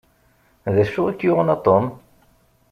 D acu i k-yuɣen a Tom?